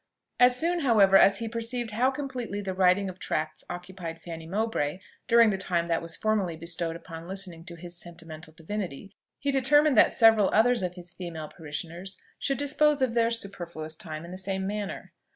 As soon, however, as he perceived how completely the writing of tracts occupied Fanny Mowbray during the time that was formerly bestowed upon listening to his sentimental divinity, he determined that several others of his female parishioners should dispose of their superfluous time in the same manner.